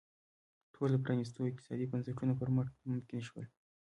ټول د پرانیستو اقتصادي بنسټونو پر مټ ممکن شول.